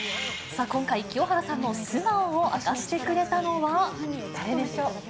今回、清原さんの素顔を明かしてくれたのは誰でしょう？